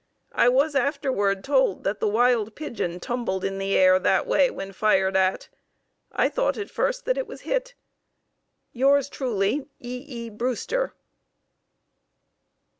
I was afterward told that the wild pigeon tumbled in the air that way when fired at. I thought at first that it was hit. Yours truly, E. E. Brewster.